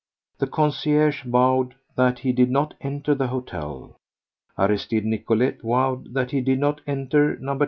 The concierge vowed that he did not enter the hotel—Aristide Nicolet vowed that he did not enter No.